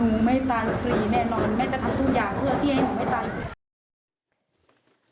แม่จะทำทุกอย่างเพื่อที่แม่หนูไม่ตาย